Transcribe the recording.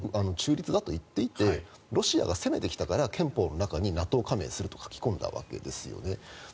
中立だと言っていてロシアが攻めてきたから憲法の中にＮＡＴＯ加盟すると書き込んだわけですよね。